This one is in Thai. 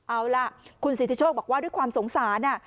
เอาล่ะคุณสิทธิโชคบอกว่าด้วยความสงสาร